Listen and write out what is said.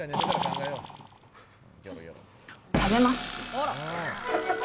食べます。